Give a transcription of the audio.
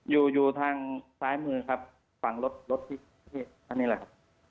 อยู่ทางซ้ายมือครับฝั่งรถที่อันนี้แหละ